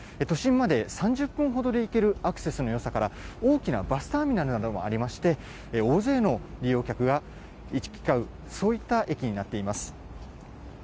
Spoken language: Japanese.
都心まで３０分ほどで行けるアクセスのよさから、大きなバスターミナルなどもありまして、大勢の利用客が行き交う、そういった駅になっています。